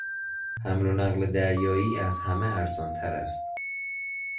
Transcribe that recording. حمل و نقل دریایی از همه ارزان تر است.